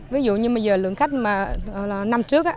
ví dụ như bây giờ lượng khách năm trước